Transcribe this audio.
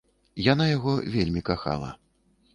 Яна яго вельмі кахала.